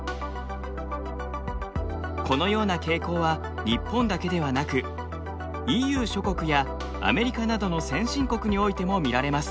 このような傾向は日本だけではなくＥＵ諸国やアメリカなどの先進国においても見られます。